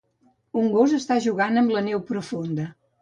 Un gos està jugant amb la neu profunda.